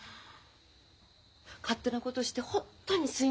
勝手なことしてホントにすいません。